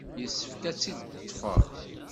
Yessefk ad t-id-ṭṭfeɣ.